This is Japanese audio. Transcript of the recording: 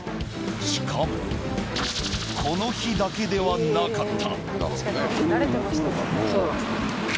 しかも、この日だけではなかった。